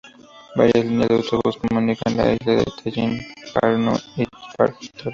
Varias líneas de autobús comunican la isla con Tallin, Pärnu y Tartu.